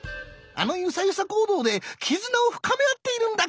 あの「ゆさゆさ行動」で絆を深め合っているんだっキ。